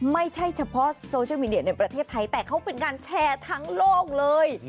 ไม่ใช่เฉพาะโซเชียลมีเดียในประเทศไทยแต่เขาเป็นการแชร์ทั้งโลกเลย